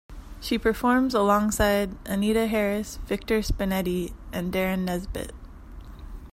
She performs alongside Anita Harris, Victor Spinetti, and Derren Nesbitt.